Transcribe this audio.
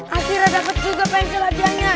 akhirnya dapet juga pensil adianya